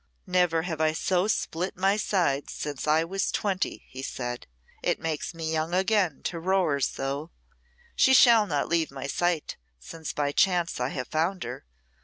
"Never have I so split my sides since I was twenty," he said. "It makes me young again to roar so. She shall not leave my sight, since by chance I have found her.